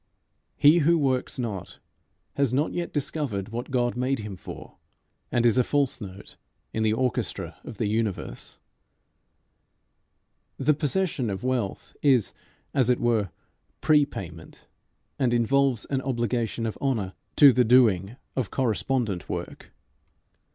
He who works not has not yet discovered what God made him for, and is a false note in the orchestra of the universe. The possession of wealth is as it were pre payment, and involves an obligation of honour to the doing of correspondent work.